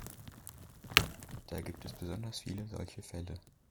Da gibt es besonders viele solche Fälle.